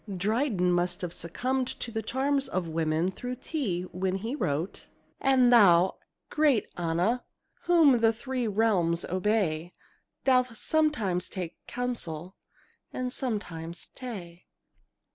Dryden must have succumbed to the charms of women through tea, when he wrote: "And thou, great Anna, whom three realms obey, Dost sometimes take counsel, and sometimes tay."